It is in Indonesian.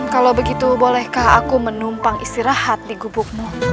kalau begitu bolehkah aku menumpang istirahat di gubukmu